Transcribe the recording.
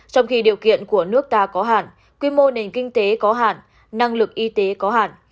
trong khi điều kiện của nước ta có hạn quy mô nền kinh tế có hạn năng lực y tế có hạn